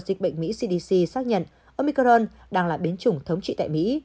dịch bệnh mỹ cdc xác nhận omicron đang là biến chủng thống trị tại mỹ